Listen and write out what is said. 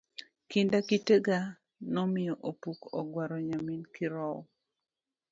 Kinda kitenga nomiyo opuk ogwaro nyarmin kirowo